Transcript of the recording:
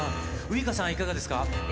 ウイカさん、いかがですか？